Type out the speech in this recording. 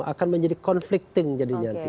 akan menjadi conflicting jadinya